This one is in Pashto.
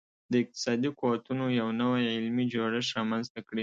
د اقتصادي قوتونو یو نوی علمي جوړښت رامنځته کړي